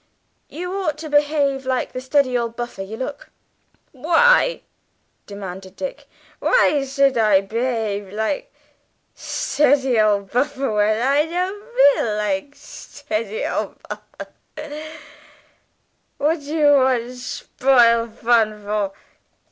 You ought to behave like the steady old buffer you look." "Why?" demanded Dick; "why should I behave like shteady ole buffer, when I don't feel shteady ole buffer? What do you want shpoil fun for?